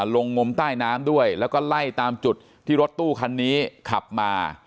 ลงงมใต้น้ำด้วยแล้วก็ไล่ตามจุดที่รถตู้คันนี้ขับมา